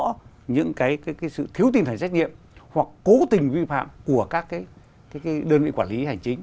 có những cái sự thiếu tinh thần trách nhiệm hoặc cố tình vi phạm của các cái đơn vị quản lý hành chính